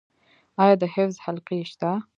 آیا د حفظ حلقې شته؟